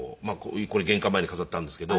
これ玄関前に飾ってあるんですけど。